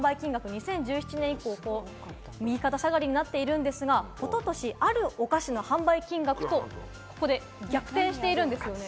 ガムの販売金額、２０１７年以降は右肩下がりになっているんですが、一昨年、あるお菓子の販売金額と、ここで逆転しているんです。